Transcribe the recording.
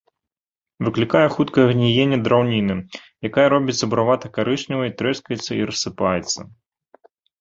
Выклікае хуткае гніенне драўніны, якая робіцца буравата-карычневай, трэскаецца і рассыпаецца.